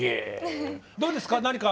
どうですか？